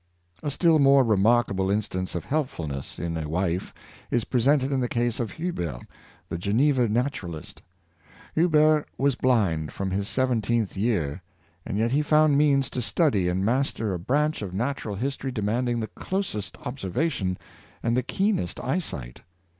A still more remarkable instance of helpfulness in a wife is presented in the case of Huber the Geneva naturalist. Huber was blind from his seventeenth year, and yet he found means to study and master a branch of natural history demanding the closest observation and the keenest eyesight.